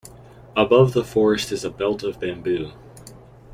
Above the forest is a belt of bamboo.